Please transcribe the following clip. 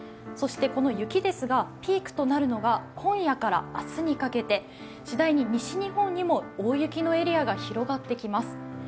そしてこの雪ですが、ピークとなるのが今夜から明日にかけて次第に西日本にも大雪のエリアが広がってきます。